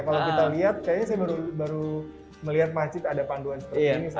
kalau kita lihat kayaknya saya baru melihat masjid ada panduan seperti ini